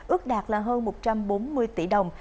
ước đạt là hơn một trăm bốn mươi đồng